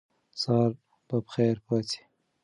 سهار به په خیر پاڅئ.